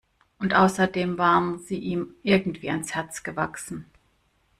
Und außerdem waren sie ihm irgendwie ans Herz gewachsen.